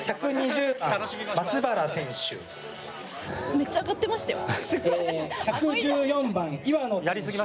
めっちゃ上がってましたよ。